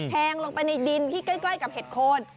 ลงไปในดินที่ใกล้กับเห็ดโคน